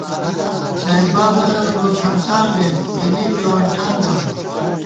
ژائےبابَنہ گورتھانتاں گَئیم، تېنے پېوَن ٹھان دامُوم